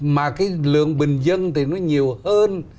mà cái lượng bình dân thì nó nhiều hơn